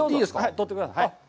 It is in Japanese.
取ってください、はい。